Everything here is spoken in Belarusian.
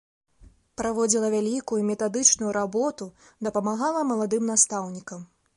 Праводзіла вялікую метадычную работу, дапамагала маладым настаўнікам.